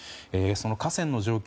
その河川の状況